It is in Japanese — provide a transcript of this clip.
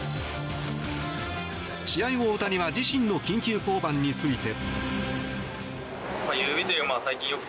試合後、大谷は自身の緊急降板について。